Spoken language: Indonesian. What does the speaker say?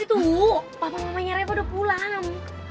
tuh papa mamanya revo udah pulang